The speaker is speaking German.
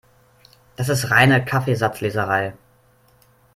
Das ist reine Kaffeesatzleserei.